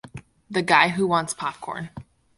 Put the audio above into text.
The guy who wants popcorn.